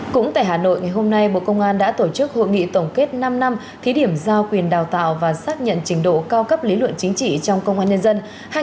cũng tại hà nội ngày hôm nay bộ công an đã tổ chức hội nghị tổng kết năm năm thí điểm giao quyền đào tạo và xác nhận trình độ cao cấp lý luận chính trị trong công an nhân dân hai nghìn một mươi hai nghìn hai mươi